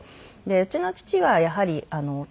うちの父はやはりお友達